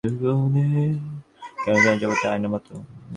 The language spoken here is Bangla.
আমরা ভিতরে যা, বাইরে তাই দেখি, কেন না জগৎটা আমাদের আয়নার মত।